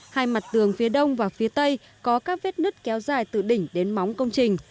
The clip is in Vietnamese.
hai mặt tường phía đông và phía tây có các vết nứt kéo dài từ đỉnh đến móng công trình